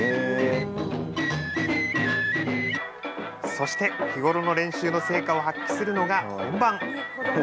そして日頃の練習の成果を発揮するのが本番。